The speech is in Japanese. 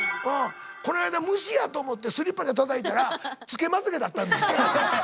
こないだ虫やと思ってスリッパでたたいたら付けまつげだったんです。